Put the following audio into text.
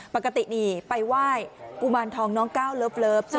ปกตินี่ไปไหว้กุมารทองน้องก้าวเลิฟใช่ไหม